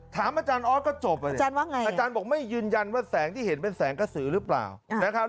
ถามอาจารย์ออสก็จบอาจารย์ว่าไงอาจารย์บอกไม่ยืนยันว่าแสงที่เห็นเป็นแสงกระสือหรือเปล่านะครับ